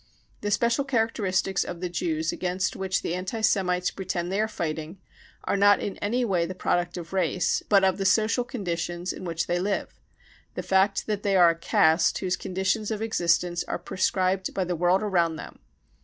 The special characteristics of the Jews against which the anti Semites pretend they are fighting are not in any way the product of race, but of the social conditions in which they live : the fact that they are a caste whose conditions of existence are prescribed by the world around them.